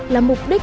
là mục đích